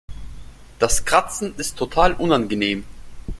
Das Kratzen ist total unangenehm.